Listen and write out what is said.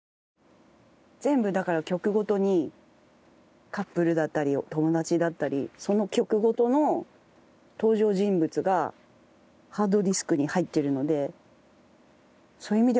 全部だから曲ごとにカップルだったり友達だったりその曲ごとの登場人物がハードディスクに入ってるので。